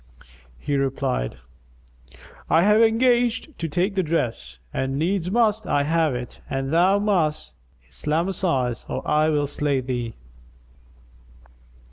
He replied, "I have engaged to take the dress and needs must I have it and thou must Islamize or I will slay thee."